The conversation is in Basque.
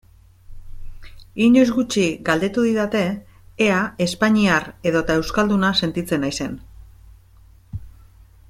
Inoiz gutxi galdetu didate ea espainiar edota euskalduna sentitzen naizen.